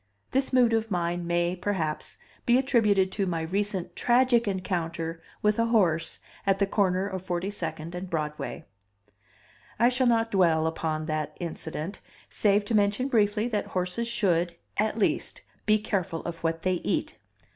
This mood of mine may, perhaps, be attributed to my recent tragic encounter with a horse at the corner of 42nd and Broadway. I shall not dwell upon that incident, save to mention briefly that horses should, at least, be careful of what they eat.